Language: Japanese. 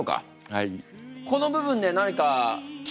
はい！